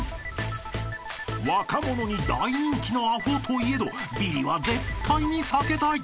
［若者に大人気のアホといえどビリは絶対に避けたい］